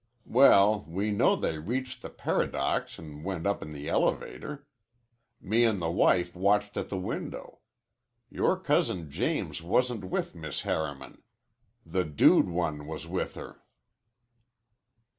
"Well, we know they reached the Paradox an' went up in the elevator. Me an' the wife watched at the window. Yore cousin James wasn't with Miss Harriman. The dude one was with her."